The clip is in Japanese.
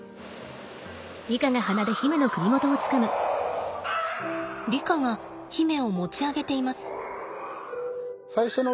リカが媛を持ち上げています。